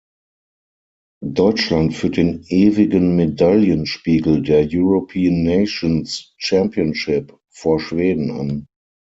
Deutschland führt den ewigen Medaillenspiegel der European Nations Championship vor Schweden an.